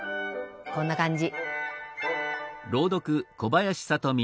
こんな感じ。